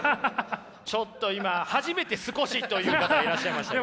ちょっと今初めて「少し」という方いらっしゃいましたよ。